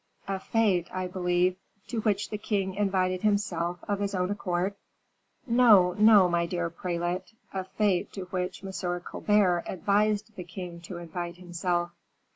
"A fete, I believe, to which the king invited himself of his own accord?" "No, no, my dear prelate; a fete to which M. Colbert advised the king to invite himself."